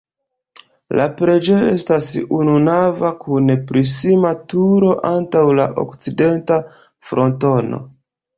La preĝejo estas ununava kun prisma turo antaŭ la okcidenta frontono.